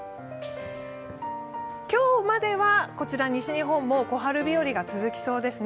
今日までは西日本も小春日和が続きそうですね。